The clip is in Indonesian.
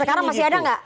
sekarang masih ada nggak